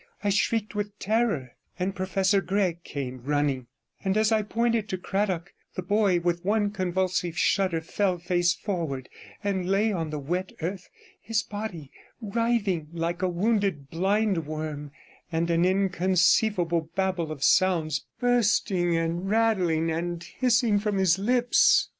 I shrieked with terror, and Professor Gregg came running; and as I pointed to Cradock, the boy with one convulsive shudder fell face forward, and lay on the wet earth, his body writhing like a wounded blind worm, and an inconceivable babble of sounds bursting and rattling and hissing from his lips.